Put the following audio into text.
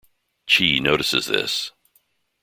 Chee notices this.